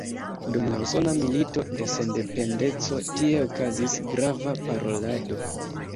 Dum la Usona Milito de Sendependeco tie okazis grava parolado.